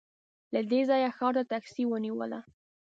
له دې ځايه ښار ته ټکسي ونیوله.